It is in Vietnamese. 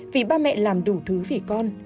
vì ba mẹ làm đủ thứ vì con